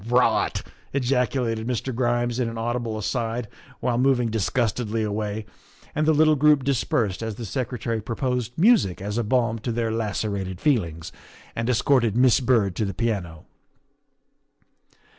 " Rot!" ejaculated Mr. Grimes in an audible aside while moving disgustedly away, and the little group dis persed as the Secretary proposed music as a balm to their lacerated feelings, and escorted Miss Byrd to the piano.